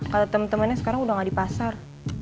kata temen temennya sekarang udah engga di pasar